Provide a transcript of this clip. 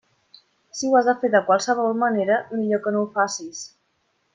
Si ho has de fer de qualsevol manera, millor que no ho facis.